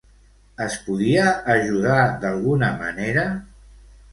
Es podia ajudar d'alguna manera?